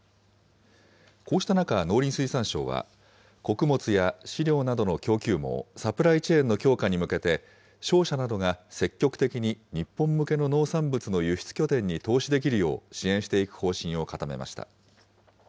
こうした中、農林水産省は穀物や飼料などの供給網・サプライチェーンの強化に向けて、商社などが積極的に日本向けの農産物の輸出拠点に投資できるよう支援していく方針を固めました。